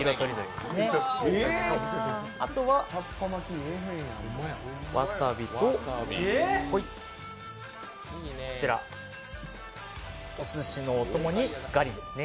あとは、わさびとおすしのお供にガリですね。